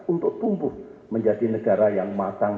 untuk tumbuh menjadi negara yang matang